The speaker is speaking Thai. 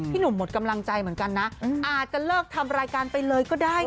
หนุ่มหมดกำลังใจเหมือนกันนะอาจจะเลิกทำรายการไปเลยก็ได้